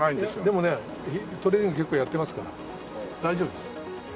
でもねトレーニング結構やってますから大丈夫です。